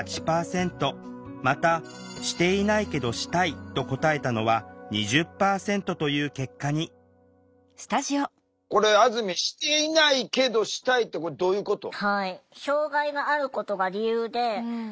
また「していないけどしたい」と答えたのは２０％という結果にこれあずみん「していないけどしたい」ってどういうこと？